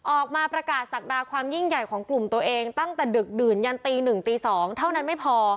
ออกมาประกาศศักดาความยิ่งใหญ่ของกลุ่มตัวเองตั้งแต่ดึกดื่นยันตี๑ตี๒เท่านั้นไม่พอ